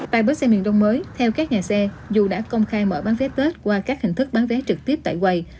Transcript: tại bến xe miền đông mới theo các nhà xe dù đã công khai mở bán vé tết qua các hình thức bán vé trực tiếp tại quầy